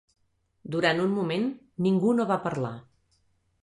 Durant un moment ningú no va parlar.